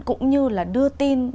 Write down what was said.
cũng như là đưa tin